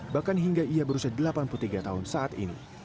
bahkan hingga ia berusia delapan puluh tiga tahun saat ini